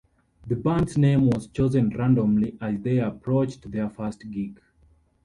The band's name was chosen randomly as they approached their first gig.